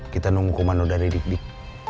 kita nunggu kumanudari dik dik